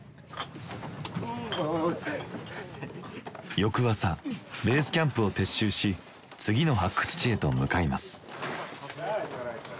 翌朝ベースキャンプを撤収し次の発掘地へと向かいます。